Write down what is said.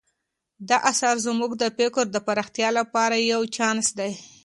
دا اثر زموږ د فکر د پراختیا لپاره یو چانس دی.